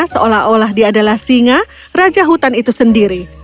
seolah olah dia adalah singa raja hutan itu sendiri